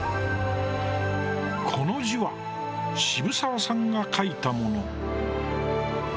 この字は、渋沢さんが書いたもの。